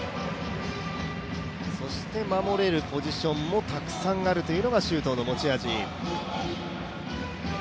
そして守れるポジションもたくさんあるというのが周東の持ち味。